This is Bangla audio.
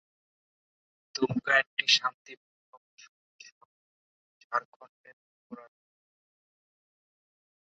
দুমকা একটি শান্তিপূর্ণ ও সবুজ শহর এবং ঝাড়খণ্ডের উপ-রাজধানী।